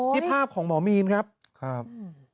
นี่ภาพของหมอมีนครับครับ